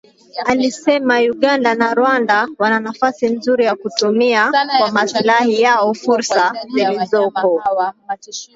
alisema Uganda na Rwanda wana nafasi nzuri ya kutumia kwa maslahi yao fursa zilizoko